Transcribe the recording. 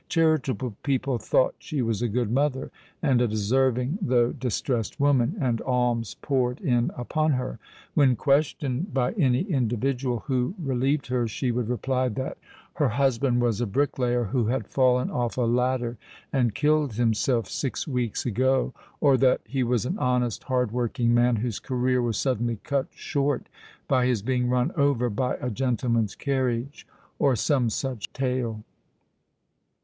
Charitable people thought she was a good mother, and a deserving though distressed woman; and alms poured in upon her. When questioned by any individual who relieved her, she would reply that "her husband was a bricklayer who had fallen off a ladder and killed himself six weeks ago;" or that "he was an honest, hard working man whose career was suddenly cut short by his being run over by a gentleman's carriage:" or some such tale.